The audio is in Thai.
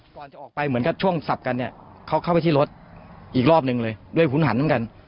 ก่อนที่ไปเข้าไปที่รถอีกรอบหนึ่งเลยด้วยฮุ้นหันต้องการ